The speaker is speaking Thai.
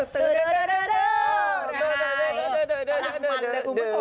เจ้อน่ากมันเลยคุณผู้ชมนะ